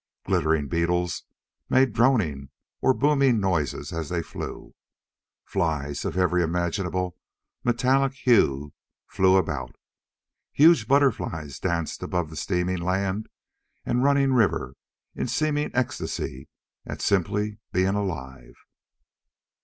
Glittering beetles made droning or booming noises as they flew. Flies of every imaginable metallic hue flew about. Huge butterflies danced above the steaming land and running river in seeming ecstasy at simply being alive.